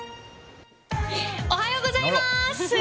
おはようございます。